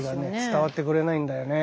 伝わってくれないんだよね。